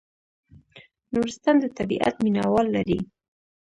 نورستان د طبیعت مینه وال لري